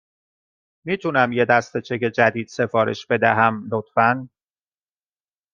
می تونم یک دسته چک جدید سفارش بدهم، لطفاً؟